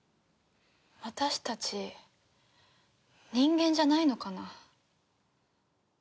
私たち人間じゃないのかな？